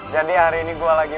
jadi hari ini gue lagi